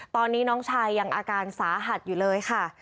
ตอนนี้น้องชายยังอาการสาหัสอยู่เลยค่ะ